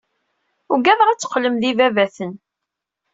Ugaɣ ad teqqlem d ibabaten.